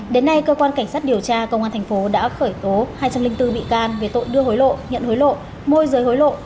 đến nay cơ quan cảnh sát điều tra công an thành phố đã khởi tố hai trăm linh bốn bị can về tội đưa hối lộ nhận hối lộ môi giới hối lộ